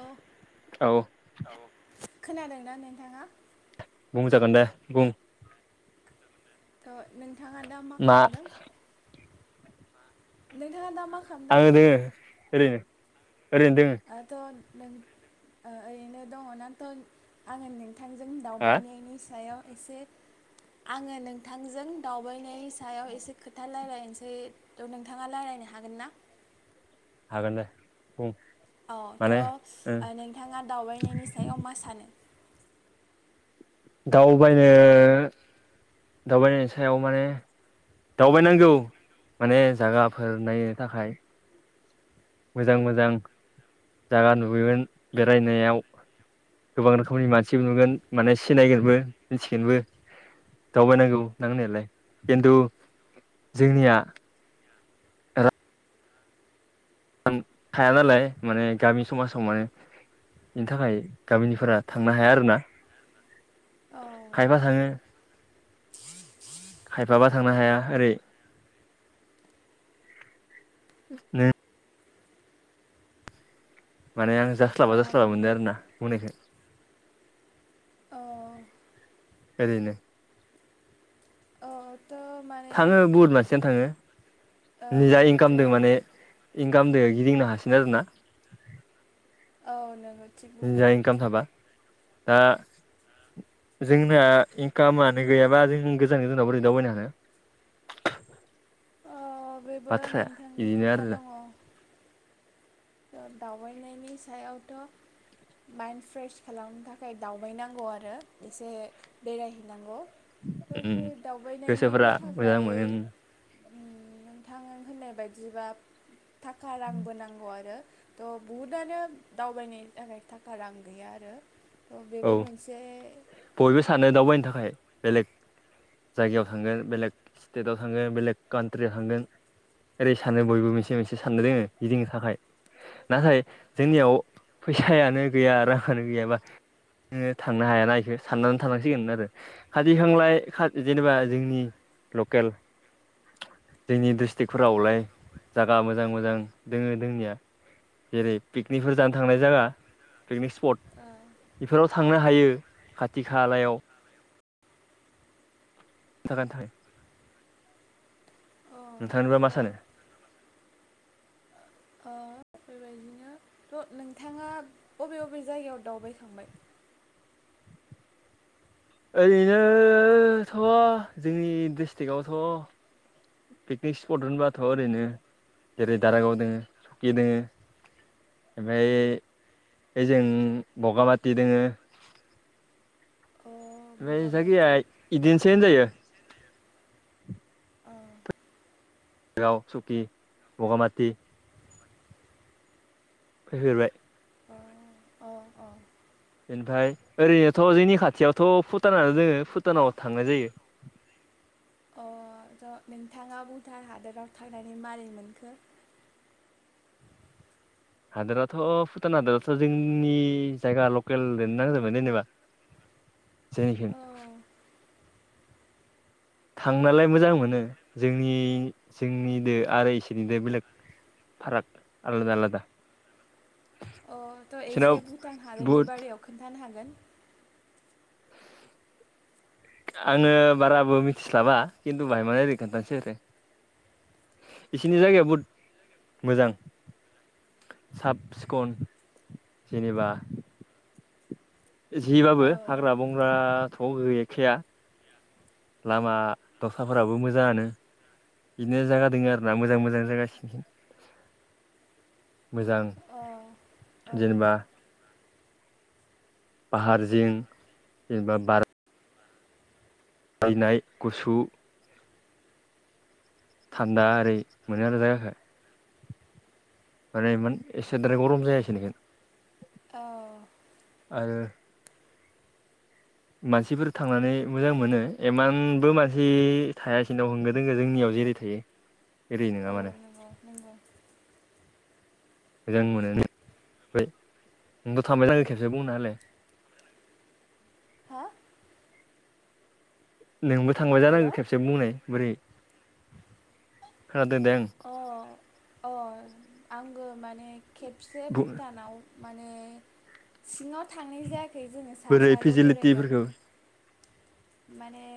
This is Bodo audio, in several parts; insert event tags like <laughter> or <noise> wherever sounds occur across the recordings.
औ खोनादों ना नोंथाङा? बुं जागोन दे बुं थ नोंथाङा दा मा खालामदों नोंथाङा दा मा खालामदों आं दोङो ओरैनो ओरैनो दोङो <unintelligible> थांजों हा दावबायनायनि सायाव एसे आङो नोंथांजों दावबायनायनि सायाव एसे खोथा रायलायनोसै' थ' नोंथाङा रायरायनो नो हागोन ना? जागोन दे बुं औ माने ओ थ' नोंथाङा दावबायनायनि सायाव मा सानो? दावबायनो दावबायनायनि सायाव माने दावबायनांगौ माने जागाफोर नायनो थाखाय। मोजां मोजां जागा नुबोयोमोन बेरायनायाव। गोबां रोखोमनि मानसिबो नुगोन माने सिनायगोनबो मिथिगोनबो। दावबायनांगौ नांनायालाय खिन्थु जोंनिया <unintelligible> थाया नालाय माने गामि समाजाव माने बेनि थाखाय गामिनिफोरा थांनो हाया आरोना औ खायबा थाङो खायफाबा थांनो हाया ओरै <unintelligible> माने आं जास्लाबा ओम जास्लाबा मोनो आरोना बुंनायखौ औ ओरैनो ओ थाङो बुहुत मानसियानो थाङो औ निजा इनकाम दं थ' माने गाहामदो गिदिंनो हासिगोन आरो ना औ नंगौ जा इनकाम थाबा दा जोंना इनकामानो गैयाबा जों गोजान गोजानाव बोरै दावबायनो हानो अ बेबो बाथ्राया नोंथांनि बिदिनो खोथा आरोना दङ दावबायनायनि सायावथ' माइन्द फ्रेश खालामनो थाखाय दावबायनांगौ आरो एसे बेरायहैनांगौ उम दसे गोसोफोरा दावबायनायनिबो मोजां थाखाय मोनो थां होननाय बायदिबा थाखा रांबो नांगौ आरो थ' बहुदआनो दावबायनायनि थाखाय थाखा रां गैया आरो थ' औ बेबो मोनसे बयबो सानो दावबायनो थाखाय बेलेग जायगायाव थांगोन बेलेग स्टेटआव थांगोन बेलेग कान्ट्रियाव थांगोन ओरै सानो बयबो मोनसे मोनसे साननो दोङो गिदिंनो थाखाय नाथाय जोंनियाव फैसायानो गैया राङानो गैयाबा नोङो थांनो हायाना इखो साननानै थानांसिगोन आरो खाथिखांलाय खा जेनेबा जोंनि लकेल जोंनि डिस्ट्रिक्फोरावलाय जागा मोजां मोजां दङो दोंनिया जेरै पिकनिकफोर जानो थांनाय जागा पिकनिक स्पट <inaudible> बेफोराव थांनो हायो खाथि खालायाव थाखानि थाखाय अ थ' नोंथांनिबा मा सानो? ओ बेबायदिनो थ' नोंथाङा बबे बबे जायगायाव दावबायखांबाय? ओरैनोथ' जोंनि डिस्ट्रिक्आवथ' पिकनिक स्पट होनबाथ' ओरैनो जेरै दारागाव दोङो सकि दोङो ओमफ्राय ओजों बगाबाथि दोङो ओमफाय बगामाथि जायखिजाया इदिनोसै होनजायो औ गाव सुकि बगामाथि फैफेरबाय अ अ औ ओमफ्राय ओरैनोथ' जोंनि खाथियावथ' भुटानानो दोङो भुटानाव थांनाय जायो। <inaudible> अ' नोंथाङा भुटान हादराव थांनानै मारै मोनखो? हादोराथ' भुटान हादोराथ' जोंनि जायगा लकेलजोंनो नांजाबना जेनेबा <inaudible> जोंनिथिं थांनोलाय मोजां मोनो जोंनि जोंनिजों आरो इसोरनिजों बेलेग फाराक आलादा आलादा। अ थ' बिसोरनाव एसे भुटान हादरनि बुहुद बारैयाव खोन्थानो हागोन। आङो बाराबो मिथिस्लाबा खिन्थु बाहाय मानो ओरै खोन्थानोासै आरो। बिसिनि जायगाया बहुद मोजां। साब सिखन जेनेबा जिबाबो औ हाग्रा बंग्राथ' गैखाया लामा दथाफोराबो मोजाङानो। बिदिनो जायागा दोङो आरोना मोजां मोजां जायगा इसिं सिं मोजां औ औ जेनेबा पाहार जिं जेनेबा बार बायनाय गुसु थान्दा ओरै मोनो आरो जायगाखौ। माने इमान एसे द्राय गरम जाया इसिनिजों। औ। आरो। मानसिफोर थांनानै मोजां मोनो इमानबो मानसि थाया इसिनाव होंगो दोंगो जोंनियाव जेरै थायो <inaudible> एरै नङा माने। नंगौ नंगौ मोजां मोनो नोंथां थांबाय नोंबो खेबसे बुंना होलाय? हो? नोंबो थाबाय हेल' जानांगौ खेबसे बुंनाय बोरै खोनादों दे आं अ अ आङो माने खेबसे भुटानाव माने सिङाव थांनाय जायाखै जोङो सा बोरै साल' बेरायदों। फेसिलिटिफोरखौ माने।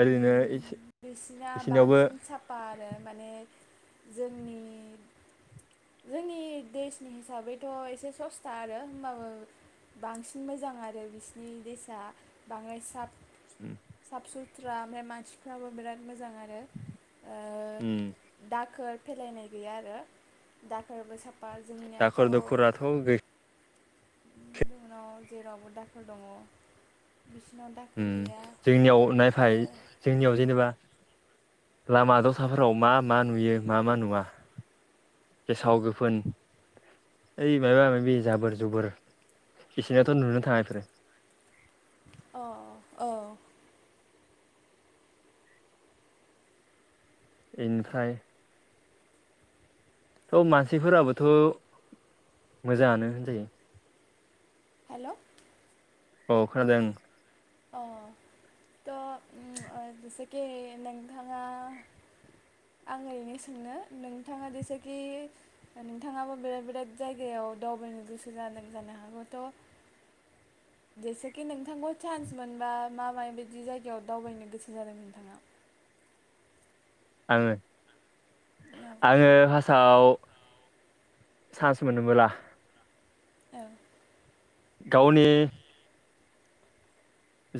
ओरैनो बिसिना इसिनावबो बांसिन साफा आरो माने जोंनि जोंनि देशनि हिसाबैथ' एसे सस्था आरो होमबाबो बांसिन मोजां आरो बिसिनि देसा बांद्राय साब साफ सुथ्रा ओमफ्राय मानसिफ्राबो बिराद मोजां आरो। ओ दाखोर फेलायनाय गैया आरो दाखोरबो साफ दाखोर दुखोराथ' गै जोंनाव जेरावबो दाखोर दङ। बिसिनाव दाखोर उम गैया जोंनियाव नायफाय आरो जोंनियाव जेनेबा लामा दथाफोराव मा मा नुयो मा मा नुवा। गेसाव गोफोन ओइ माबा माबि जाबोर जुबोर इसिनाथ' नुनो थाङा इफोर अ-अ औ। इनिफ्राय थ' मानसिफोराबोथ' मोजाङानो होनजायो। हेल'। औ खोनादों। अ थ' जेसेखि नोंथाङा आं ओरैनो सोंनो नोंथाङा जेसेखि नोंथाङाबो बेलेक बेलेक जायगायाव दावबायनो गोसो जानो हागौथ' जेसेखि नोंथांखौ चान्स मोनबा मा माबायदि जायगायाव दावबायनो गोसो जादों नोंथाङा? <inaudible> आंङो औ आंङो फासताव चान्स मोनोबोला औ। गावनि।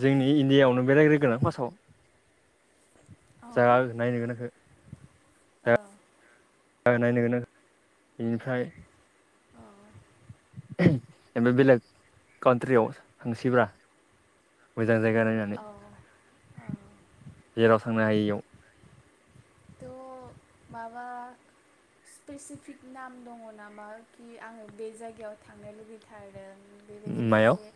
जोंनि इण्डियाआवनो बेरायग्रो गोन आं फासाव। औ जा नायनो गोनांखौ। औ। जायगा नायनो गोनां बेनिफ्राय। जेनबा बेलेग काउट्रियाव थांसैब्रा। आ। मोजां जायगा नायनानै जेराव थांनो हायैयाव। थ माबा। स्पेसिफिक नाम दङ नामा कि आंङो बे जायगायाव थांनो लुबैथारदों। बेबायदिनो मायाव एसे।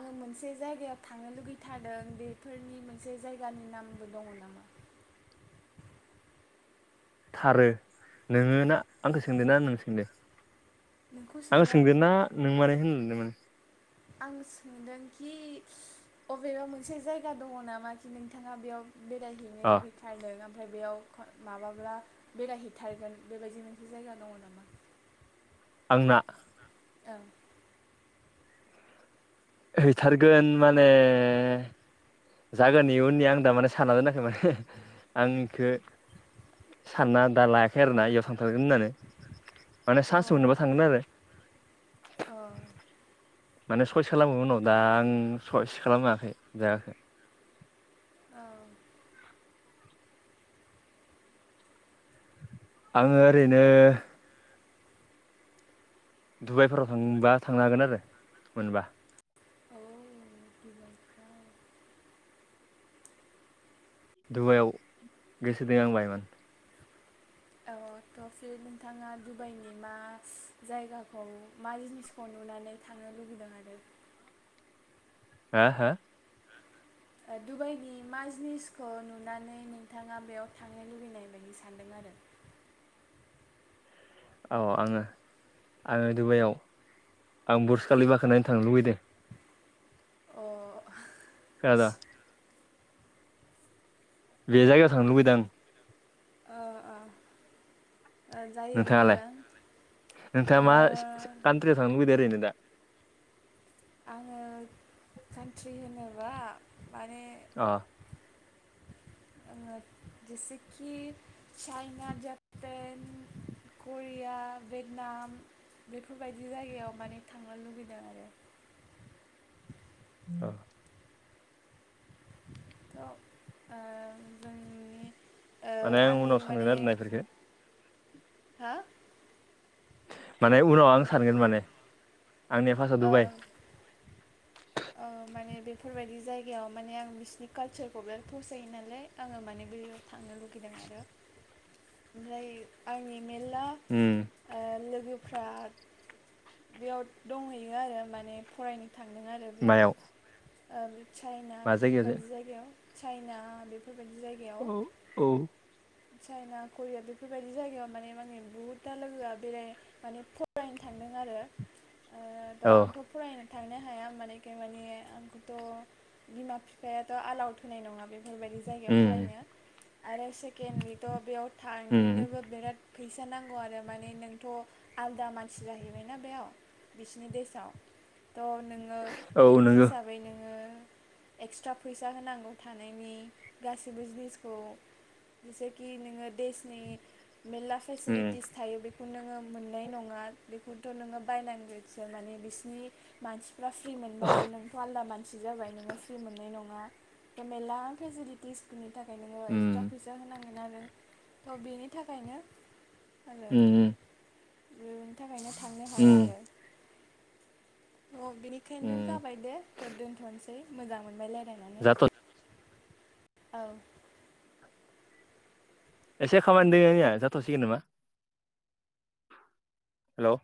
आंङो मोनसे जायगायाव थांनो लुगैथारादों बेफोरनि मोनसे जायगानि नामबो दङ नामा। <inaudible> थारै नोंङो ना आंखौ सोंदों ना नों सोंदों। नोंखौ आं सोंदों सोंदो आङो ना नों माने होनलांदोंमोन। आं सोंदोंखि अबेबा मोनसे जायगा दङ नामा कि नोंथाङा बेयाव। बेरायहैनो अ लुुबैथारदों। ओमफ्राय बेयाव माबाब्ला बेरायहैथारगोन बेबायदि मोनसे जायगा दङ नामा। <inaudible> आंना। औ। हैथारगोन माने। जागोन इयो उननि आं दा माने सानना दोनाखै माने आं इखौ। सानना दा लायाखै आरोना इयाव सानथारगोन होननानै। माने अ सानस होननोबा थांगोन आरो। अ माने सयस खालामगोन उनाव दा आं सयस खालामाखै जायाखै। औ। आंङो ओरैनो। डुबाइफोराव थांबा थांनो हागोन आरो मोनबा। औ बिबारखौ डुबाइआव गोसो दं आं बायमोन। औ। नोंथाङा डुबाइनि मा जायगाखौ मा जिनिसखौ नुनानै थांनो। लुबैदों आरो। हा हा। डुबाइनि मा जिनिसखौ नुनानै नोंथाङा बेयाव थांनो लुबैनाय बायदि सानदों आरो। <inaudible> औ आंङो आंङो डुबाइयाव। आं ब्रुसखालिबाखो नायनो थांनो लुबैदों। अ। <inaudible> बे जायगायाव थांनो लुबैदों आं। ओ ओ जायो नोंथाङालाय मोजां नोंथाङा ओ मा कान्ट्रियाव थांनो लुबैदों ओरैनो दा। आङो कान्ट्रि होनोबा माने। अ। <inaudible> ओंङो जेसेखि चाइना जापेन। करिया भेटनाम बेफोरबायदि जायगायाव माने थांनो लुुबैदों आरो। ओ। <unintelligible> ओ जोंनि। ओ माने आं उनाव सानगोन आरो ना बेफोरखो। हो। माने उनाव आं सानगोन माने आंनिया फासा ओ दुबाइ <unintelligible> ओ माने बेफोरबायदि। जायगायाव माने आं बिसिनि कालसारखौ बिराद फसायो नालाय आङो माने बे-बेयाव थांनो लुगैदों आरो। ओमफ्राय आंनि मेला उम ओ लोगोफ्रा। बेयाव दंहैयो आरो माने फरायनो थांदों आरो बे। मायाव चाइना मा जायगायाव बेफोरबायदि जायगायाव चाइना बेफोर बेबायदि औ जायगायाव। औ चाइना करिया बेफोरबायदि जायगायाव माने-माने बहुद दा लोगोआ बेरानो माने फरायनो थ सानदों आरो ओ त औ आंथ' फरायनो। थांनो हाया मानेखे माने आंखौथ' बिमा बिफायाथ' आलाउद होनाय नङा बे बेबायदि जायगायाव उम फरायनो आरो सेकेन्दडलिथ' बेयाव उम थारनिनोबो बिराद फै फैसा नांगौ आरो माने नोंथ' आलदा मानसि जाहैबायना बेयाव। बिसिनि देसआव त नोङो औ बिनि नोंगौ हिसाबै नोङो। एक्सट्रा फैसा होनांगौ थानायनि गासिबो जिनिसखौ। जेसेखि नोङो देशनि मेरला उम फेसिलिटिस थायो बे खौ नोङो मोननाय नङा बेखौथ' नोङो बायनांगोसो माने बिसोरनि मानसि फ्रि मोनबाबो नोंथ' आलादा मानसि जाबाय नोङो फ्रि मोननाय नङा। मेरला फेसिलिटिसफोरनि थाखाय नोङो एक्सट्रा उम फिस होनांगोन आरो त बेनि थाखायनो आरो। उम बेनि थाखायनो थांनो हाया उम आरो। अ बिनिखायनो उम जाबाय दे दोनथ'नोसै मोजां मोनबाय राय <unintelligible> जा <unintelligible> औ। एसे खामानि दङो आंनिया जाथ'सिगोन नामा। हेल'।